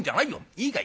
いいかい？